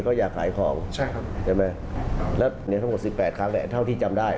เขาอยากขายของใช่ครับใช่ไหมครับแล้วเนี้ยทั้งหมดสิบแปดครั้งแหละเท่าที่จำได้